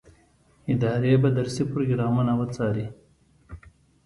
ادارې به درسي پروګرامونه وڅاري.